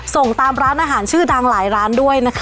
ส่งตามร้านอาหารชื่อดังหลายร้านด้วยนะคะ